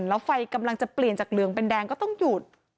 แล้วไฟกำลังจะเปลี่ยนจากเหลืองเป็นแดงก็ต้องหยุด